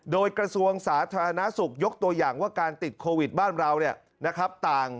โดยกระทรวงสาธารณสุขยกตัวอย่างว่าการติดโควิดบ้านเราต่าง